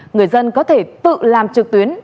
người dân có thể tự làm trực tuyến